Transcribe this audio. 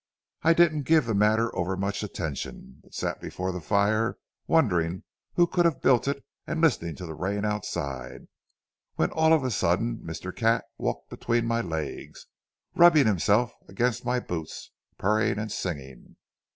I didn't give the matter overmuch attention but sat before the fire, wondering who could have built it and listening to the rain outside, when all of a sudden Mr. Cat walked between my legs, rubbing himself against my boots, purring and singing.